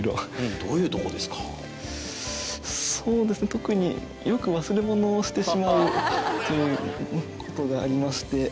特に、よく忘れ物をしてしまうという事がありまして。